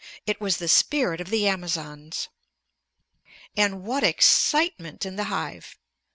It was the spirit of the Amazons. And what excitement in the hive!